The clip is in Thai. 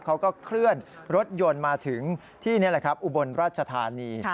เขาก็เคลื่อนรถยนต์มาถึงที่นี่แหละครับอุบลราชธานี